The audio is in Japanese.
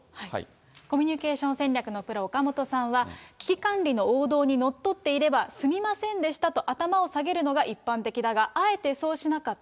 コミュニケーション戦略のプロ、岡本さんは、危機管理の王道に乗っていれば、すみませんでしたと頭を下げるのが、一般的だが、あえてそうしなかった。